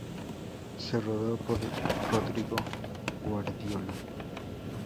Se rodó por Rodrigo Guardiola.